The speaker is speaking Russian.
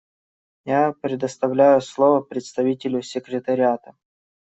Я предоставляю слово представителю Секретариата.